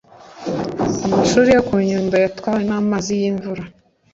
Amashuri yo kunyundo yatwawe namazi yimvura